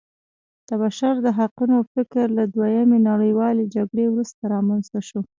د بشر د حقونو فکر له دویمې نړیوالې جګړې وروسته رامنځته شو.